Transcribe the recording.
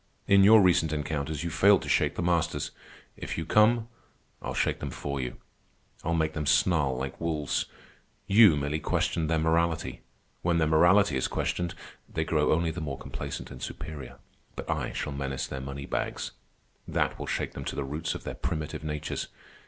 In your recent encounters, you failed to shake the masters. If you come, I'll shake them for you. I'll make them snarl like wolves. You merely questioned their morality. When their morality is questioned, they grow only the more complacent and superior. But I shall menace their money bags. That will shake them to the roots of their primitive natures.